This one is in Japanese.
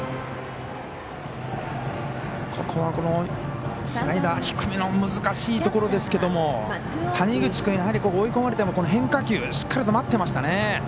ここはスライダー低めの難しいところですけど谷口君、やはり追い込まれても変化球、しっかりと待ってましたね。